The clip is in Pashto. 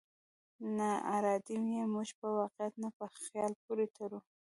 ناارادي يې موږ په واقعيت نه، په خيال پورې تړو.